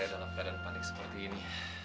dalam keadaan panik seperti ini